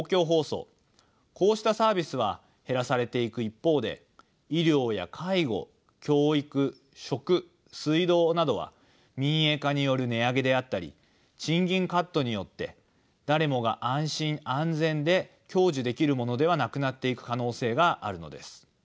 こうしたサービスは減らされていく一方で医療や介護教育食水道などは民営化による値上げであったり賃金カットによって誰もが安心・安全で享受できるものではなくなっていく可能性があるのです。